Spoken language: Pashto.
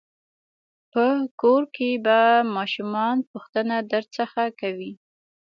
په کور کې به ماشومان پوښتنه درڅخه کوي.